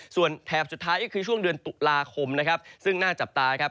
ส่วนแถบสุดท้ายก็คือช่วงเดือนตุลาคมนะครับซึ่งน่าจับตาครับ